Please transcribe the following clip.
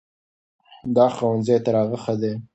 دا ښوونځی تر هغه ښه ده.